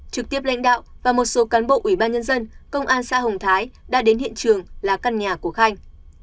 trực tiếp lãnh đạo và một số cán bộ ủy ban nhân dân công an xã hồng thái đã đến hiện trường là căn nhà của khanh